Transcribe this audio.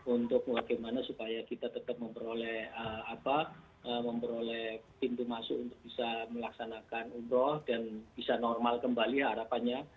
untuk bagaimana supaya kita tetap memperoleh apa memperoleh pintu masuk untuk bisa melaksanakan umroh dan bisa normal kembali harapannya